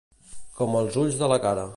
Com els ulls de la cara.